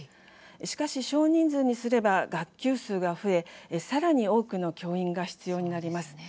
しかし、少人数にすれば学級数が増えさらに多くの教員が必要になります。